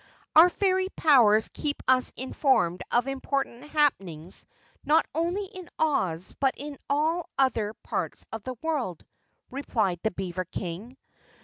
"Our fairy powers keep us informed of important happenings not only in Oz but in all other parts of the world," replied the beaver King.